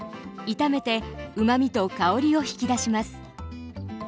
炒めてうまみと香りを引き出します。